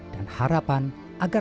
dan harapan agar